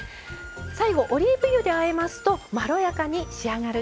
最後オリーブ油であえますとまろやかに仕上がるということでした。